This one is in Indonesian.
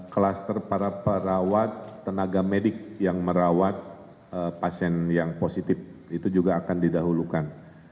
kluster para perawat tenaga medik yang merawat pasien yang positif itu juga akan didahulukan